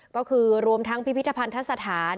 ก็คือรวมทั้งพิพิธภัณฑสถาน